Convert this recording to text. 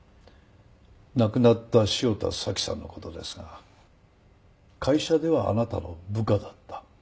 亡くなった汐田早紀さんの事ですが会社ではあなたの部下だった。